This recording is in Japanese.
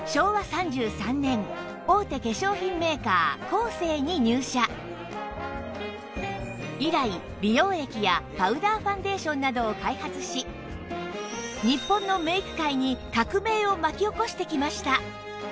小林さんは以来美容液やパウダーファンデーションなどを開発し日本のメイク界に革命を巻き起こしてきました